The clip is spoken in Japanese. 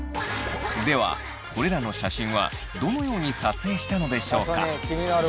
ではこれらの写真はどのように撮影したのでしょうか？